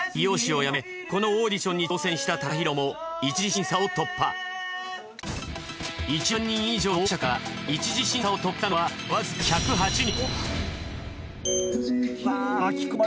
美容師をやめこのオーディションに挑戦したＴＡＫＡＨＩＲＯも１万人以上の応募者から一次審査を突破したのはわずか１０８人。